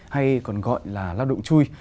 hay còn gọi là lao động chui